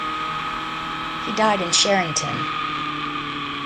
He died in Sherrington.